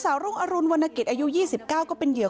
รุ่งอรุณวรรณกิจอายุ๒๙ก็เป็นเหยื่อ